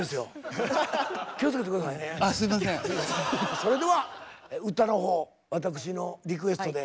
それでは歌のほう私のリクエストで。